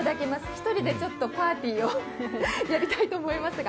１人でパーティーをやりたいと思いますが。